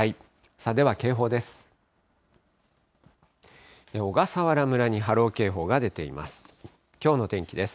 さあでは、警報です。